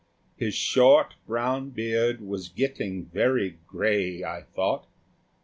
His short, brown beard was getting very grey, I thought.